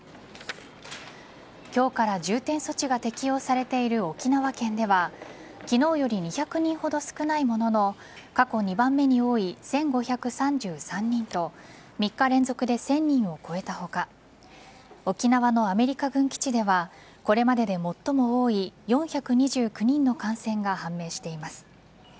今日から重点措置が適用されている沖縄県では昨日より２００人ほど少ないものの過去２番目に多い１５３３人と３日連続で１０００人を超えた他沖縄のアメリカ軍基地ではこれまでで最も多い４２９人の感染が判明しています。